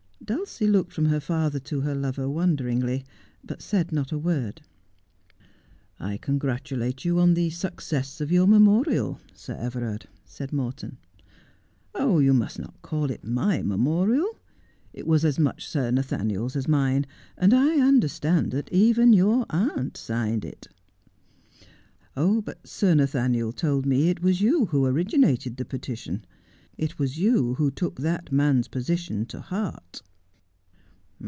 Dulcie looked from her father to her lover wonderingly, but said not a word. 'I congratulate you on the success of your memorial, Sir Everard,' said Morton. ' You must not call it my memorial. It was as much Sir Nathaniel's as mine, and I understand that even your aunt signed it.' ' But Sir Nathaniel told me it was you who originated the petition. It was you who took that man's position to heart.'